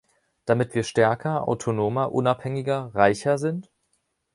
Damit wir stärker, autonomer, unabhängiger, reicher sind?